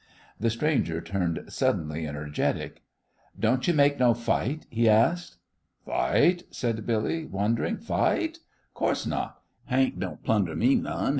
The stranger turned suddenly energetic. "Don't you make no fight?" he asked. "Fight?" said Billy, wondering. "Fight? Co'se not. Hank don't plunder me none.